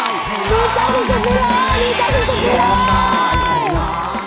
สวัสดีค่ะ